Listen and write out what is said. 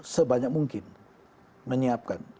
sebanyak mungkin menyiapkan